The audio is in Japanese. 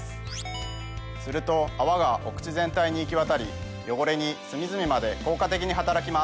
すると泡がお口全体に行きわたり汚れに隅々まで効果的に働きます。